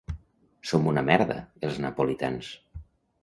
Som una merda, els napolitans.